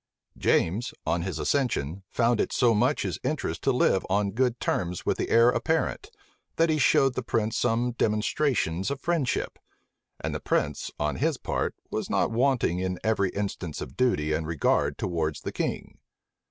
James, on his accession, found it so much his interest to live on good terms with the heir apparent, that he showed the prince some demonstrations of friendship; and the prince, on his part, was not wanting in every instance of duty and regard towards the king.